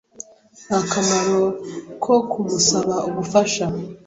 Nta kamaro ko kumusaba ubufasha.